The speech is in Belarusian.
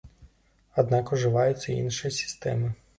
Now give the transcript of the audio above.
Аднак ужываюцца і іншыя сістэмы.